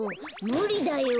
むりだよ。